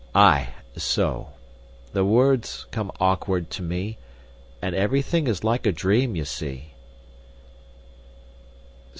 "Aye, so. The words come awkward to me, and everything is like a dream, ye see."